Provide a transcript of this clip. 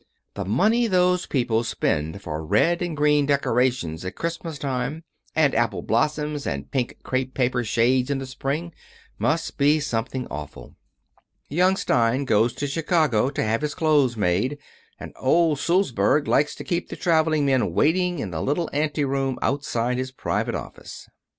The money those people spend for red and green decorations at Christmas time, and apple blossoms and pink crepe paper shades in the spring, must be something awful. Young Stein goes to Chicago to have his clothes made, and old Sulzberg likes to keep the traveling men waiting in the little ante room outside his private office.